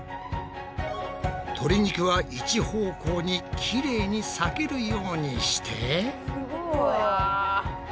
とり肉は一方向にきれいに裂けるようにして。